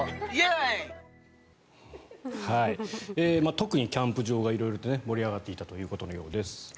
特にキャンプ場が色々と盛り上がっていたようです。